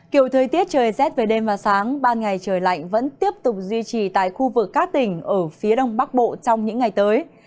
kiểu thời tiết trời rét về đêm và sáng ban ngày trời lạnh vẫn tiếp tục duy trì tại khu vực các tỉnh ở phía đông bắc bộ trong những ngày tới